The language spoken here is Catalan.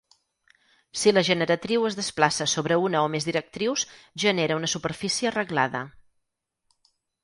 Si la generatriu es desplaça sobre una o més directrius, genera una superfície reglada.